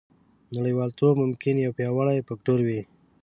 نړیوالتوب ممکن یو پیاوړی فکتور وي